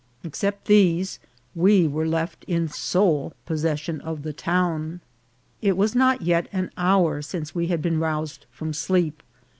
Except these, we were left in sole possession of the town. It was not yet an hour since we had been roused from sleep.